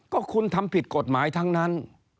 ก็คุณทำผิดกฎหมายทั้งนั้น